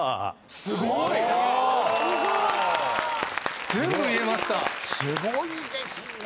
すごいですね。